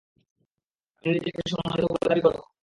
আর তুমি নিজেকে সন্মানিত বলে দাবি কর?